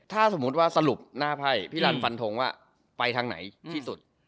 ถ้าสมมุติว่าสรุปหน้าไพ่พี่รันฟันทงว่าไปทางไหนที่สุด